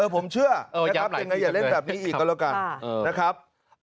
ผมเชื่อนะครับยังไงอย่าเล่นแบบนี้อีกก็แล้วกันนะครับ